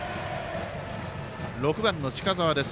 ６番の近澤です。